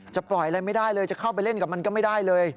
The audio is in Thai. ปล่อยอะไรไม่ได้เลยจะเข้าไปเล่นกับมันก็ไม่ได้เลย